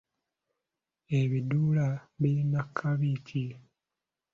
Ebiduula birina kabi ki?